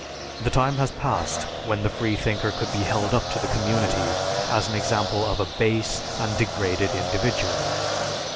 The time has passed when the freethinker could be held up to the community as an example of a base and degraded individual.